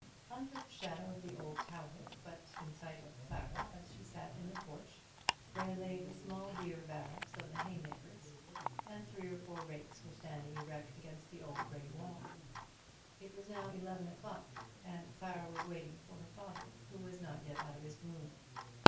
Under the shadow of the old tower, but in sight of Clara as she sat in the porch, there lay the small beer barrels of the hay makers, and three or four rakes were standing erect against the old grey wall. It was now eleven o'clock, and Clara was waiting for her father, who was not yet out of his room.